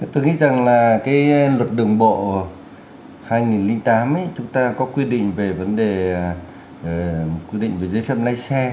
tôi nghĩ rằng là cái luật đường bộ hai nghìn tám chúng ta có quy định về vấn đề quy định về giấy phép lái xe